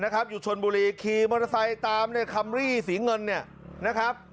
นะครับอยู่ชนบุรีคีย์มทรไซส์ตามเนี้ยคำรี่สีเงินเนี่ยนะครับ